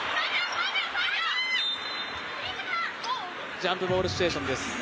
ジャンプボールシチュエーションです。